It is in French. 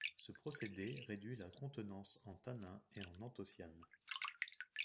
Ce procédé réduit la contenance en tanins et en anthocyanes.